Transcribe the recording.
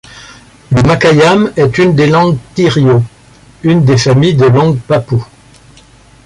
Le makayam est une des langues tirio, une des familles de langues papoues.